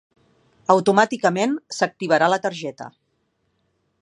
Automàticament s'activarà la targeta.